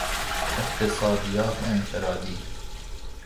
اقتصادیات انفرادی